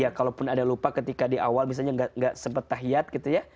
ya kalaupun ada lupa ketika di awal misalnya nggak sempat tahiyad gitu ya